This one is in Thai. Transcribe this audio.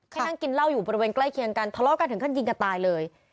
นั่งกินเหล้าอยู่บริเวณใกล้เคียงกันทะเลาะกันถึงขั้นยิงกันตายเลย